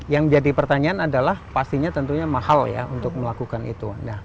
yang jadi pertanyaan adalah pastinya tentunya mahal ya untuk melakukan itu